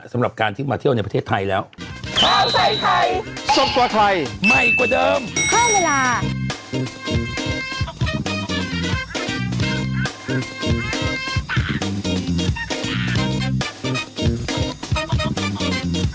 สำหรับการที่มาเที่ยวในประเทศไทยแล้วข้าวใส่ไทยสดกว่าไทยใหม่กว่าเดิมเพิ่มเวลา